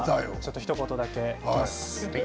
ひと言だけいきます。